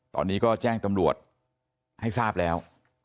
ตอนนี้ก็แจ้งตำรวจให้ทราบแล้ว